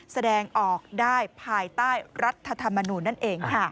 แสดงออกได้ภายใต้รัฐธรรมนูลนั่นเอง